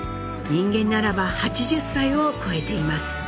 人間ならば８０歳を越えています。